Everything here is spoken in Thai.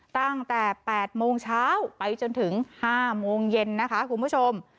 ตั้งแต่๘โมงเช้าไปจนถึง๕โมงเย็นนะคะคุณผู้ชม